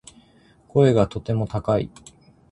声がとても高い